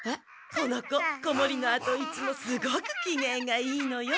この子子守のあといつもすごくきげんがいいのよ。